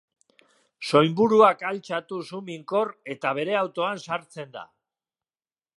Soinburuak altxatu suminkor eta bere autoan sartzen da.